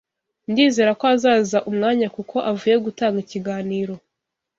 Ndizera ko azaza umwanya kuko avuye gutanga ikiganiro.